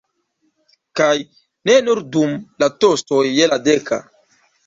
Kaj ne nur dum la tostoj je la deka.